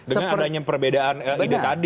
dengan adanya perbedaan ide tadi